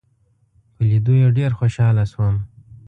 په لیدو یې ډېر خوشاله شوم.